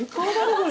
これ。